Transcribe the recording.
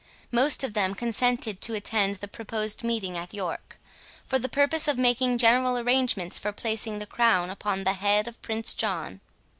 Most of them consented to attend the proposed meeting at York, for the purpose of making general arrangements for placing the crown upon the head of Prince John.